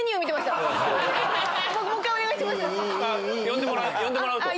呼んでもらうと。